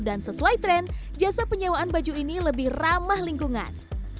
sesuai tren jasa penyewaan baju ini lebih ramah lingkungan